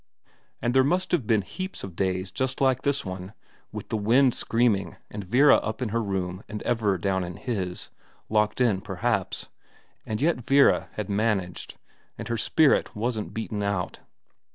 And there must have been heaps of days just like this one, with the wind screaming and Vera up in her room and Everard down in his locked in, perhaps and yet Vera had managed, and her spirit wasn't beaten out.